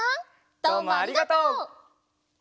どうもありがとう！